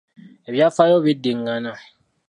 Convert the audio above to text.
Ebyafaayo bidingana.